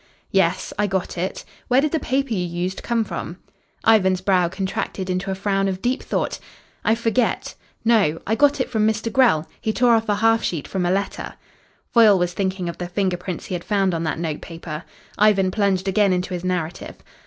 "Yes. I got it. Where did the paper you used come from?" Ivan's brow contracted into a frown of deep thought. "I forget no I got it from Mr. Grell. He tore off a half sheet from a letter." Foyle was thinking of the finger prints he had found on that notepaper. Ivan plunged again into his narrative.